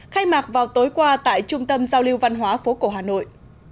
khai mạc vào tối qua tại trung tâm giao lưu văn hóa phố cổ hà nội